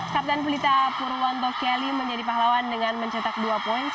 kapten pelita purwanto kelly menjadi pahlawan dengan mencetak dua poin